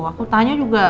aku tanya juga